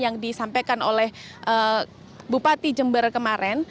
yang disampaikan oleh bupati jember kemarin